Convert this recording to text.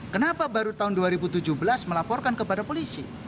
kenapa baru tahun dua ribu tujuh belas melaporkan kepada polisi